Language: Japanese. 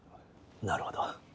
なるほど。